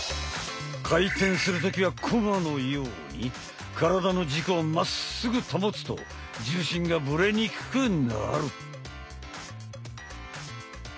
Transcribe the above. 回転する時はコマのように体の軸をまっすぐ保つと重心がブレにくくなる。